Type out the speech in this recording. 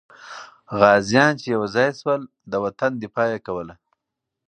غازیان چې یو ځای سول، د وطن دفاع یې کوله.